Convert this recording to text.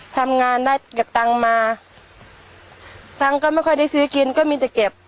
ทำงานได้เก็บตังค์มาตังค์ก็ไม่ค่อยได้ซื้อกินก็มีแต่เก็บ